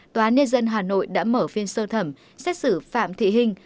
tòa án nhân dân hà nội đã mở phiên sơ thẩm xét xử phạm thị hình